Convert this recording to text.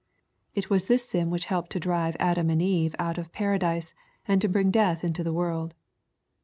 It was this sin which helped to drive Adam and Eve out of paradise, and bring death into the world.